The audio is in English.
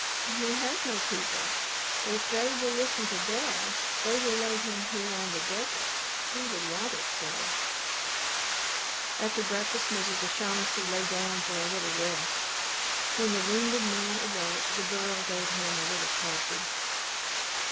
"He has no people. If they will listen to Dad, they will lay him here on the desert. He would want it so." After breakfast Mrs. O'Shaughnessy lay down for a little rest. When the wounded man awoke the girl gave him a little coffee.